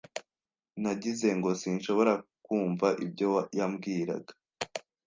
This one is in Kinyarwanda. Nagize ngo sinshobora kumva ibyo yambwiraga.